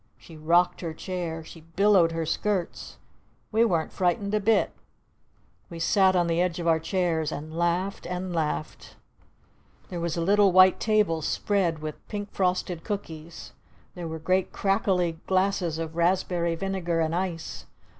She rocked her chair! She billowed her skirts! We weren't frightened a bit! We sat on the edge of our chairs and laughed! And laughed! There was a little white table spread with pink frosted cookies! There were great crackly glasses of raspberry vinegar and ice!